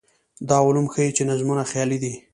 دا علوم ښيي چې نظمونه خیالي دي.